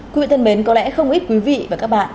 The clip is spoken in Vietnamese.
quý thân mến có lẽ không ít quý vị và các bạn